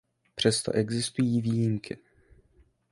Přesto existují výjimky.